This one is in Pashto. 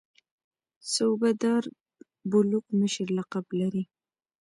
صوبه دار بلوک مشر لقب لري.